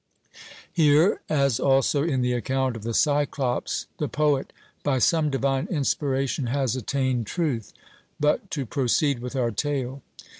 Here, as also in the account of the Cyclopes, the poet by some divine inspiration has attained truth. But to proceed with our tale.